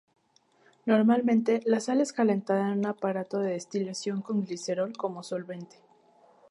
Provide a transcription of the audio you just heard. Normalmente, la sal es calentada en un aparato de destilación con glicerol como solvente.